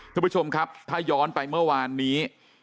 คุณผู้ชมครับถ้าย้อนไปเมื่อวานนี้